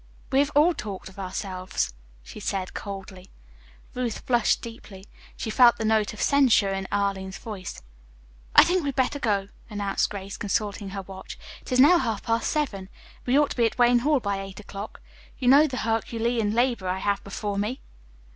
We have all talked of ourselves," she said coldly. Ruth flushed deeply. She felt the note of censure in Arline's voice. "I think we had better go," announced Grace, consulting her watch. "It is now half past seven. We ought to be at Wayne Hall by eight o'clock. You know the Herculean labor I have before me."